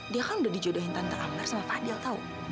dia kan udah dijodohin tante amner sama fadil tau